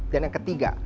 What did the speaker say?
dan yang ketiga